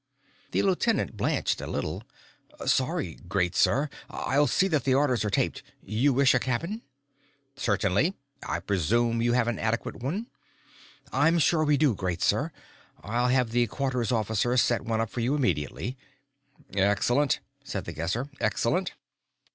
The lieutenant blanched a little. "Sorry, great sir! I'll see that the orders are taped. You wish a cabin?" "Certainly. I presume you have an adequate one?" "I'm sure we do, great sir; I'll have the Quarters Officer set one up for you immediately." "Excellent," said The Guesser. "Excellent."